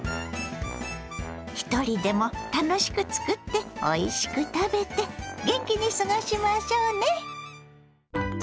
ひとりでも楽しく作っておいしく食べて元気に過ごしましょうね。